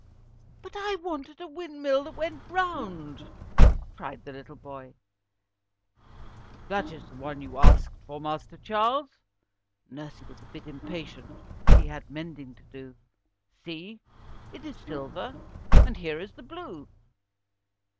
"But I wanted a windmill which went round," cried the little boy. "That is the one you asked for, Master Charles," Nursie was a bit impatient, she had mending to do. "See, it is silver, and here is the blue."